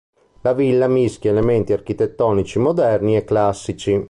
La villa mischia elementi architettonici moderni e classici.